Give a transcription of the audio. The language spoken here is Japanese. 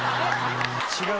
違う！